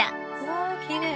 わあきれい。